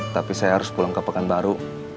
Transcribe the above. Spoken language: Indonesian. tapi saya harus pulang ke pekan baru